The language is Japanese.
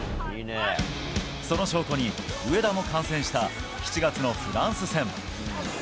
その証拠に、上田も観戦した７月のフランス戦。